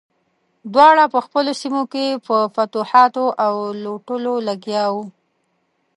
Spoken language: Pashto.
دواړه په خپلو سیمو کې په فتوحاتو او لوټلو لګیا وو.